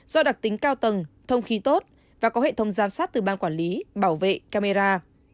do đặc tính cao tầng thông khí tốt và có hệ thống giám sát từ ban quản lý bảo vệ camera